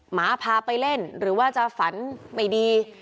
หมาพาไปเล่นหรือว่าจะฝันไม่ดี